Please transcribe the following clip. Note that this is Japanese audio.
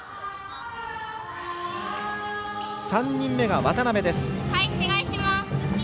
３人目が渡部です。